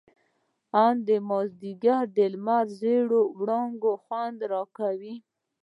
ان د مازديګر د لمر زېړو وړانګو خوند راکاوه.